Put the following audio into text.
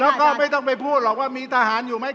แล้วก็ไม่ต้องไปพูดหรอกว่ามีทหารอยู่ไหม